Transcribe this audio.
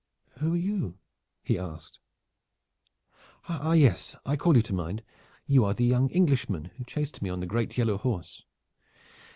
"Who are you?" he asked. "Ah yes! I call you to mind. You are the young Englishman who chased me on the great yellow horse.